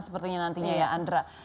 sepertinya nantinya ya andra